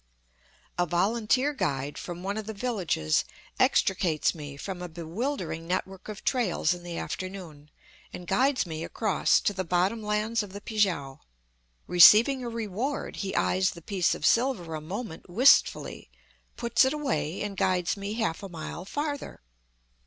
A volunteer guide from one of the villages extricates me from a bewildering network of trails in the afternoon, and guides me across to the bottom lands of the Pi kiang. Receiving a reward, he eyes the piece of silver a moment wistfully, puts it away, and guides me half a mile farther.